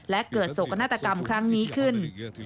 และเกิดโศกนาฏกรรมครั้งนี้ขึ้น